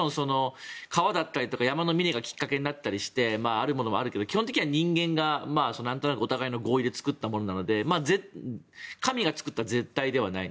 川だったり山の峰がきっかけになったりするものもあるけど基本的には人間がなんとなくお互いの合意で作ったものなので神が作った絶対ではない。